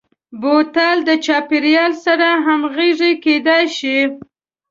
بوتل د چاپیریال سره همغږي کېدلای شي.